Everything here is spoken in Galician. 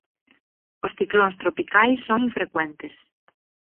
Os ciclóns tropicais son infrecuentes.